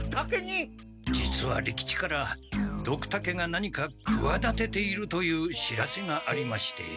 実は利吉からドクタケが何かくわだてているという知らせがありまして。